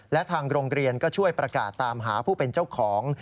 และทางโรงเรียนก็ช่วยประกาศตามหาผู้เป็นเจ้าของ